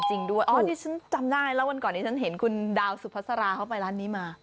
อ๋อที่ฉันจำได้แล้ววันก่อนนี้ฉันเห็นคุณดาวสุภาษาราเขาไปร้านนี้มา